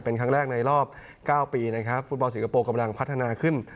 เป็นครั้งแรกในรอบ๙ปีนะครับฟุตบอลสิงคโปร์กำลังพัฒนาขึ้น